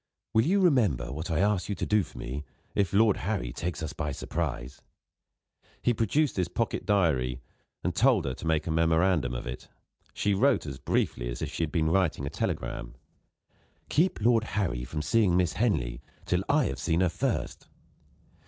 "Will you remember what I asked you to do for me, if Lord Harry takes us by surprise?" He produced his pocket diary, and told her to make a memorandum of it. She wrote as briefly as if she had been writing a telegram: "Keep Lord Harry from seeing Miss Henley, till I have seen her first."